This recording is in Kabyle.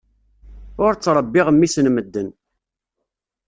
Ur ttrebbiɣ mmi-s n medden.